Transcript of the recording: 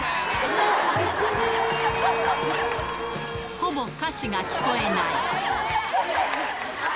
ほぼ歌詞が聞こえない。